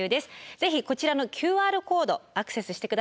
是非こちらのＱＲコードアクセスしてください。